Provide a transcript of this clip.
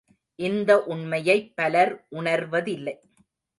இந்த உண்மையைப் பலர் உணர்வதில்லை.